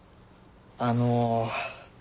あの。